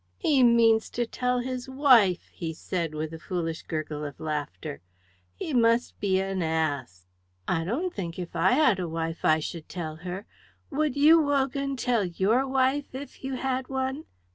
"He means to tell his wife," he said with a foolish gurgle of laughter. "He must be an ass. I don't think if I had a wife I should tell her. Would you, Wogan, tell your wife if you had one?